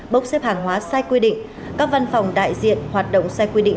bốc xếp hàng hóa sai quy định các văn phòng đại diện hoạt động sai quy định